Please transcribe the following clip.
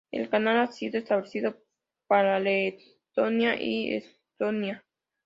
El canal ha sido establecido para Letonia y Estonia.